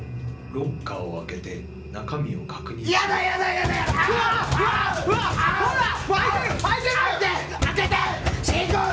ロッカーを開けて中身を確認しろ。